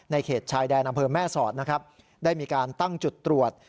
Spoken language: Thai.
เขตชายแดนอำเภอแม่สอดนะครับได้มีการตั้งจุดตรวจ